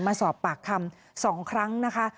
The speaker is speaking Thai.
มาสอบปากคำ๒ครั้งนะคะ